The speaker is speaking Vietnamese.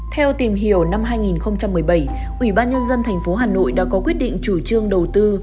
theo tìm hiểu năm hai nghìn một mươi bảy ủy ban nhân dân thành phố hà nội đã có quyết định chủ trương đầu tư